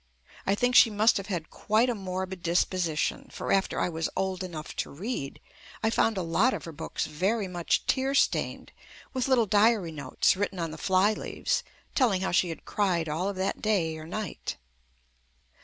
I think she must have had quite a morbid disposition, for after I was old enough to read, I found a lot of her books very much tear stained with little diary notes written on the fly leaves telling how she had cried all of that day or night.